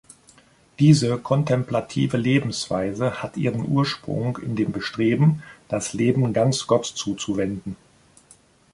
Diese kontemplative Lebensweise hat ihren Ursprung in dem Bestreben, das Leben ganz Gott zuzuwenden.